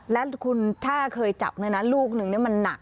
แล้วคุณถ้าเคยจับเนี่ยนะลูกนึงนี่มันหนัก